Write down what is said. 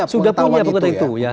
sudah punya pengetatan itu ya